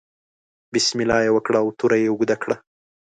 بسم الله یې وکړه او توره یې اوږده کړه.